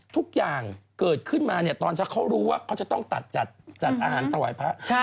ทุกอย่างเกิดขึ้นมาเนี่ยตอนเช้าเขารู้ว่าเขาจะต้องตัดจัดอาหารถวายพระ